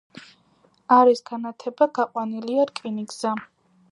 არის განათება; გაყვანილია რკინიგზა.